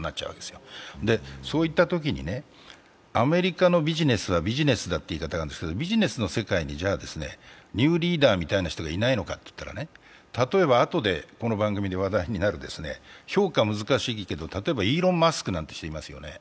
そういったときにアメリカのビジネスはビジネスだという言い方があるんですけどビジネスの世界にニューリーダーみたいな人がいないのかといったら例えば、あとでこの番組で話題になる評価難しいけと、例えばイーロン・マスクなんて人がいますよね。